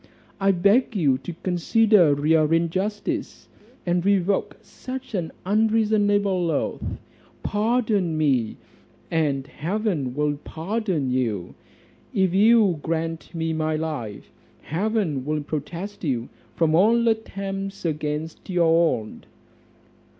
I beg you to consider your injustice, and revoke such an unreasonable oath; pardon me, and heaven will pardon you; if you grant me my life, heaven will protest you from all attempts against your own."